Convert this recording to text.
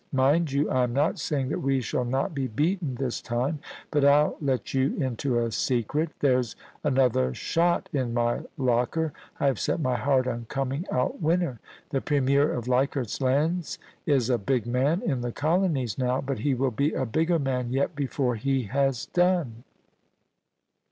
Mind you, I am not saying that we shall not be beaten this time, but 111 let yoa into a secret There's another shot in my locker ; I have set my heart on coming out Dvinner. The Premier of Leichardfs Lands b a big man in the colonies now, but he will be a bigger man yet before he has done.'